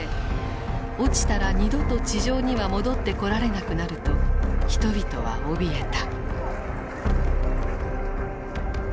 落ちたら二度と地上には戻ってこられなくなると人々はおびえた。